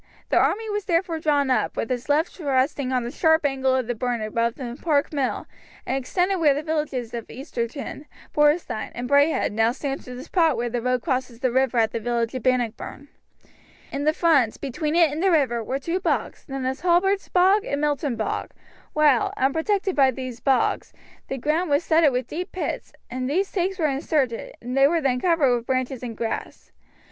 The army was therefore drawn up, with its left resting on the sharp angle of the burn above the Park Mill, and extended where the villages of Easterton, Borestine, and Braehead now stand to the spot where the road crosses the river at the village of Bannockburn. In its front, between it and the river, were two bogs, known as Halberts Bog and Milton Bog, while, where unprotected by these bogs, the whole ground was studded with deep pits; in these stakes were inserted, and they were then covered with branches and grass.